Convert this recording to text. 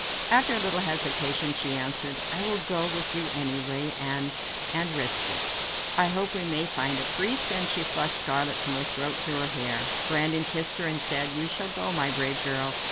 After a little hesitation she answered: "I will go with you anyway and and risk it. I hope we may find a priest," and she flushed scarlet from her throat to her hair. Brandon kissed her and said: "You shall go, my brave girl.